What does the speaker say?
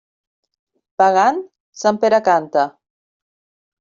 Pagant, Sant Pere canta.